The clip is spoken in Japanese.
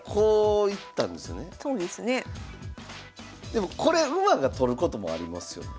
でもこれ馬が取ることもありますよね。